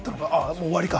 もう終わりか。